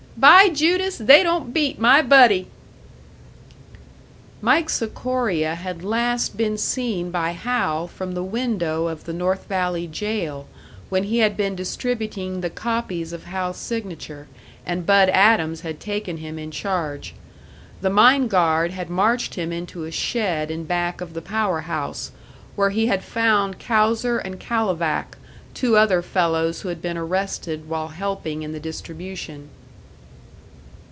"By Judas, they don't beat my buddy!" Mike Sikoria had last been seen by Hal from the window of the North Valley jail, when he had been distributing the copies of Hal's signature, and Bud Adams had taken him in charge. The mine guard had marched him into a shed in back of the power house, where he had found Kauser and Kalovac, two other fellows who had been arrested while helping in the distribution.